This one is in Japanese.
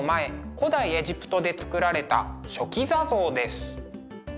古代エジプトで作られた「書記座像」です。